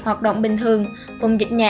hoạt động bình thường cùng dịch nhẹ